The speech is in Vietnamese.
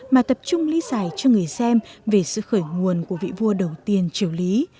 mà tập trung lý giải cho người xem về sự khởi nguồn của vị vua đầu tiên triều lý